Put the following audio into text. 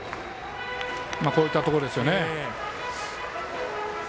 こういったところですね。